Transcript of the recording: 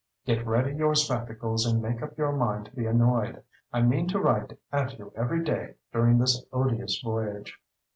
Get ready your spectacles and make up your mind to be annoyed. I mean to write at you every day during this odious voyage.